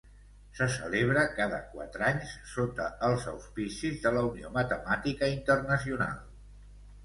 Se celebra cada quatre anys sota els auspicis de la Unió Matemàtica Internacional.